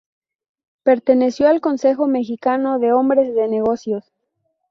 Perteneció al Consejo Mexicano de Hombres de Negocios.